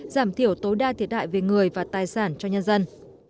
giảm thiểu tối đa thiệt hại về người và tài sản cho nhân dân